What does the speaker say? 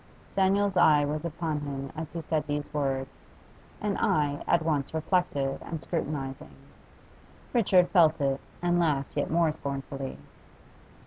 Daniel's eye was upon him as he said these words, an eye at once reflective and scrutinising. Richard felt it, and laughed yet more scornfully.